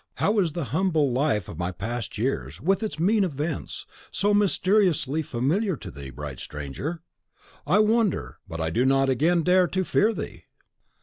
How is the humble life of my past years, with its mean events, so mysteriously familiar to thee, bright stranger! I wonder, but I do not again dare to fear thee!